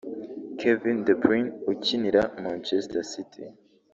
Kevin de Bruyne ukinira Manchester City